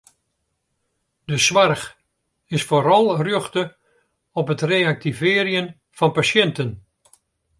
De soarch is foaral rjochte op it reaktivearjen fan pasjinten.